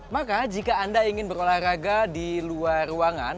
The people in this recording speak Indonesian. maka jika anda ingin berolahraga di luar ruangan